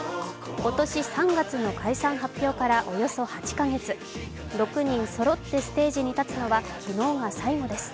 今年３月の解散発表からおよそ８カ月、６人そろってステージに立つのは昨日が最後です。